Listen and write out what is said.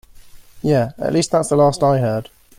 Yeah, at least that's the last I heard.